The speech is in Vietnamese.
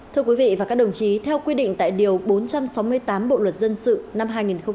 thưa quý vị và các đồng chí theo quy định tại điều bốn trăm sáu mươi tám bộ luật dân sự năm hai nghìn một mươi năm